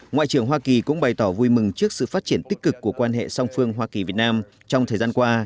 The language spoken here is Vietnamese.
ngoại trưởng hoa kỳ cũng bày tỏ vui mừng trước sự phát triển tích cực của quan hệ song phương hoa kỳ việt nam trong thời gian qua